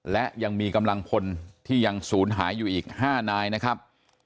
และยังมีกำลังพลที่ยังศูนย์หายอยู่อีก๕นายนะครับ